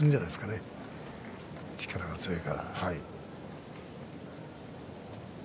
力が強いから。